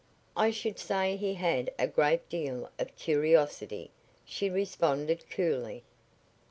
"I should say he had a great deal of curiosity," she responded, coolly.